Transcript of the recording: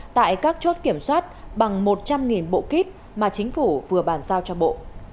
tại các chốt kiểm soát bằng một trăm linh bộ kit mà chính phủ vừa bàn giao cho bộ